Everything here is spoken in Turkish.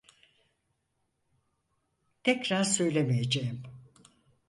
Tekrar söylemeyeceğim.